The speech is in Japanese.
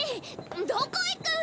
どこ行くん！？